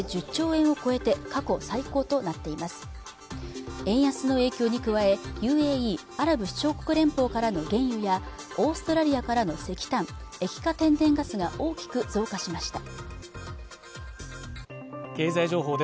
円安の影響に加えＵＡＥ＝アラブ首長国連邦からの原油やオーストラリアからの石炭液化天然ガスが大きく増加しました